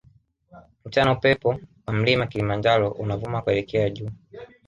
Mchana upepo wa mlima kilimanjaro unavuma kuelekea juu